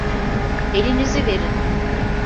Elinizi verin.